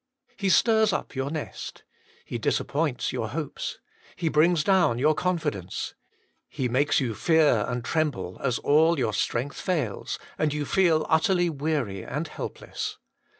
He stirs up your nest. He disappoints your hopes. He brings down your confidence. He makes you fear and tremble, as all your strength 104 WAITING ON GODt fails, and you feel utterly weary and helpless.